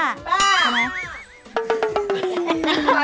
หนึ่งสองซ้ำยาดมนุษย์ป้า